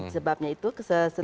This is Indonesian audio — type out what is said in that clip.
sebabnya itu setiap pindah pidana itu